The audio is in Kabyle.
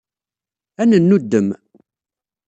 Ad nennuddem.